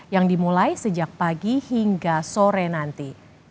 yang dimulai sejak pagi hingga sore nanti